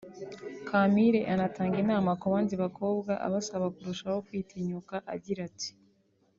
Kampire anatanga inama ku bandi bakobwa abasaba kurushaho kwitinyuka agira ati